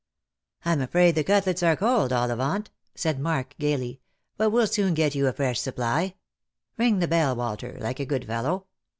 " I'm afraid the cutlets are cold, Ollivant," said Mark gaily, " but we'll soon get you a fresh supply. Eing the bell, Walter, like a good fellow.